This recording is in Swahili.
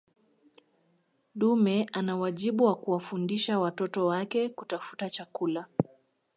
dume ana wajibu wa kuwafundisha watoto wake kutafuta chakula